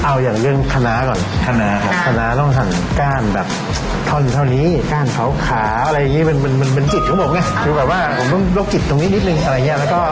เอาอย่างเรื่องขนาดก่อนขนาดต้องสั่งก้านแบบทอนเท่านี้ก้านเผาขาอะไรอย่างนี้มันจิตของผมเนี่ยคือแบบว่าผมต้องลดจิตตรงนี้นิดนึงอะไรอย่างเงี้ยแล้วก็